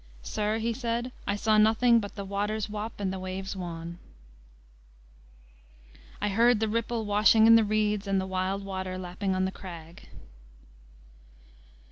'Sir,' he said, 'I saw nothing but the waters wap and the waves wan.'" "I heard the ripple washing in the reeds And the wild water lapping on the crag."